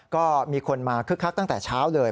ก็มีคนมาคึกคักตั้งแต่เช้าเลย